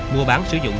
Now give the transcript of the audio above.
mua bán sử dụng